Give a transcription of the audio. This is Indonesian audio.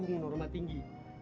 panggung rumah tinggi